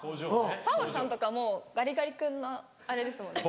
澤部さんとかもうガリガリ君のあれですもんね